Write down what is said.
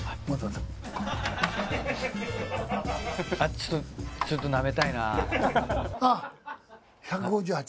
ちょっとちょっとなめたいな。